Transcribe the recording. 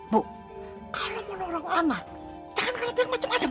bu kalau mau nolong anak jangan kalau dia macam macam